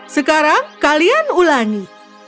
sekarang kalian ulangi